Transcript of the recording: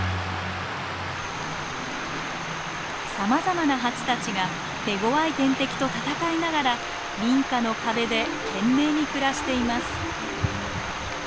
さまざまなハチたちが手ごわい天敵と戦いながら民家の壁で懸命に暮らしています。